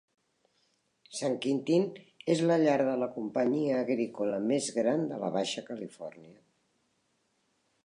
San Quintin és la llar de la companyia agrícola més gran de la baixa Califòrnia.